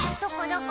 どこ？